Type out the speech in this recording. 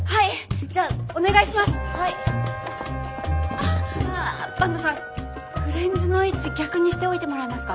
あっ坂東さんフレンズの位置逆にしておいてもらえますか？